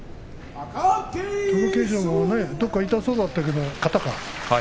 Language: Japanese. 貴景勝がどこか痛そうだったけど肩か。